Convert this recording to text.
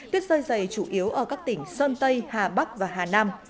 tuyết rơi dày chủ yếu ở các tỉnh sơn tây hà bắc và hà nam